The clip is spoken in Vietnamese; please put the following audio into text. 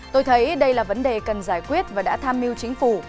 tôi thấy đây là vấn đề cần giải quyết và đã tham mưu chính phủ